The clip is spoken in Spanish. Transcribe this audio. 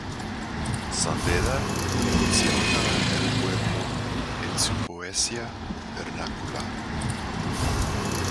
San Beda menciona el pueblo en su poesía vernácula.